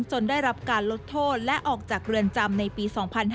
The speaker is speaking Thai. ได้รับการลดโทษและออกจากเรือนจำในปี๒๕๕๙